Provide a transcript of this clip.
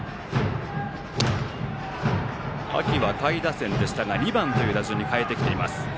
秋は下位打線でしたが２番という打順にかえてきています。